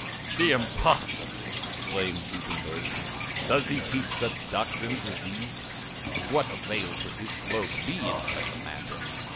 '" "The impostor!" exclaimed Gutenberg. "Does he teach such doctrines as these? Of what avail could his cloak be in such a matter?